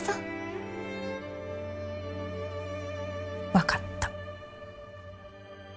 分かった。